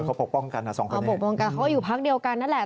เขาปกป้องกันเขาอยู่พักเดียวกันนั่นแหละ